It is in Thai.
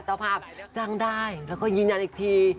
เจ้าภาพจ้างได้แล้วก็ยืนยันอีกที